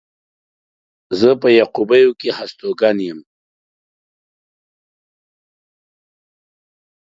زه په يعقوبيو کې هستوګنه لرم.